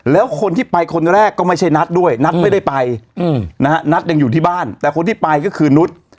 แล้วคนที่ไปคนแรกก็ไม่ใช่นัทด้วยนัทไม่ได้ไปนะฮะนัทยังอยู่ที่บ้านแต่คนที่ไปก็คือนุษย์